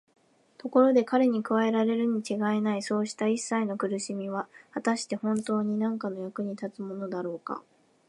ところで彼に加えられるにちがいないそうしたいっさいの苦しみは、はたしてほんとうになんかの役に立つものだろうか。